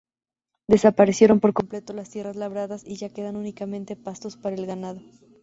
Desaparecieron por completo las tierras labradas y ya quedan únicamente pastos para el ganado.